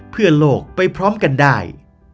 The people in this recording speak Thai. เพื่อโลกไปพร้อมกันได้